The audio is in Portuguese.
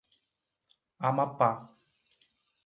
Amapá